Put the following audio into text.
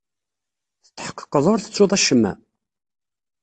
Tetḥeqqeḍ ur tettuḍ acemma?